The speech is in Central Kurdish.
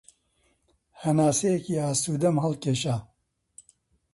هەناسەیەکی ئاسوودەم هەڵکێشا